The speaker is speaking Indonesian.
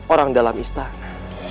orang dalam istana